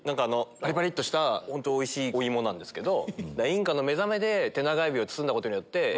パリパリっとしたおいしいお芋なんですけど。